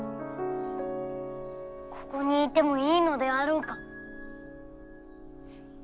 ここにいてもいいのであろうか？